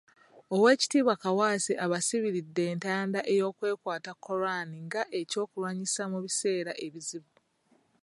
Owekitiibwa Kaawaase abasibiridde entanda ey'okwekwata Quran nga eky'okulwanyisa mu biseera ebizibu.